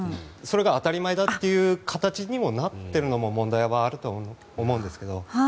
それが当たり前だという形にもなってるのも問題はあると思いますね。